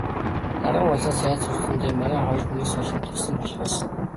Наран улсаас айж сүрдсэндээ манай хоёр хүнийг суллан тавьсан болохоос...